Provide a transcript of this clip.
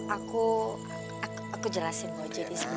aku aku jelasin boleh jadi sekarang